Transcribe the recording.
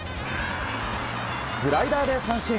スライダーで三振。